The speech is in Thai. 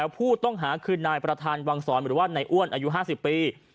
ผู้ต้องหาคือนายประธานวังศรหรือว่านายอ้วนอายุ๕๐ปี